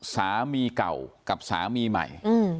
สามีเก่ากับสามีใหม่